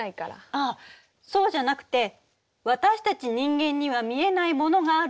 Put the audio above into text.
あっそうじゃなくて私たち人間には見えないものがあるっていう話。